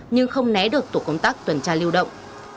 nhưng không né được tổ công tác tuần tra lưu động